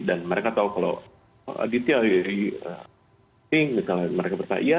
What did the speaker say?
dan mereka tahu kalau di italia ini misalnya mereka bertanya